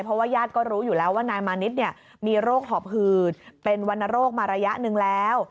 เพราะว่าญาติก็รู้อยู่แล้วว่านายมานิดมีโรคหอบหืดเป็นวรรณโรคมาระยะหนึ่งแล้ว